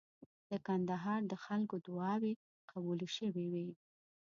د کندهار د خلکو دعاوي قبولې شوې وې.